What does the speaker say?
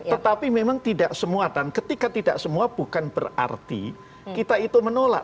tetapi memang tidak semua dan ketika tidak semua bukan berarti kita itu menolak